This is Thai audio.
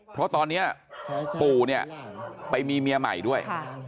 เพราะตอนนี้ปู่เนี่ยไปมีเมียใหม่ด้วย